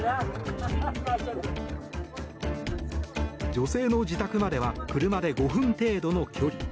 女性の自宅までは車で５分程度の距離。